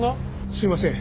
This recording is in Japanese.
すいません。